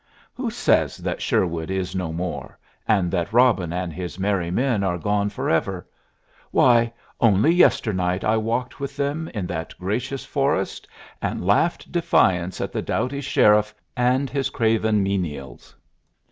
Who says that Sherwood is no more and that Robin and his merry men are gone forever! Why, only yesternight I walked with them in that gracious forest and laughed defiance at the doughty sheriff and his craven menials.